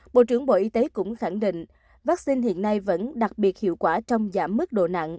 bộ trưởng bộ y tế cũng khẳng định vaccine hiện nay vẫn đặc biệt hiệu quả trong giảm mức độ nặng